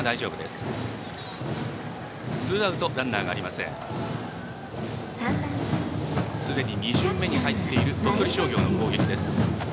すでに２巡目に入っている鳥取商業の攻撃です。